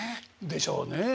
でしょうねえ。